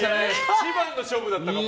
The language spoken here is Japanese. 一番の勝負だったかも。